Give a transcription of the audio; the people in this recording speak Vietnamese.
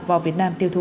vào việt nam tiêu thụ